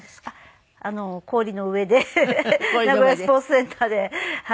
氷の上で名古屋スポーツセンターで。